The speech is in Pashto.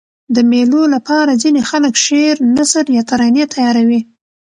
د مېلو له پاره ځيني خلک شعر، نثر یا ترانې تیاروي.